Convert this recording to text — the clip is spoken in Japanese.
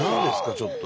ちょっと。